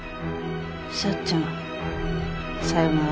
幸ちゃんさよなら。